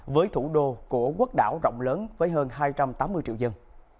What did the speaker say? với thủ đô của quốc đảo rộng lớn với hơn hai trăm tám mươi triệu dân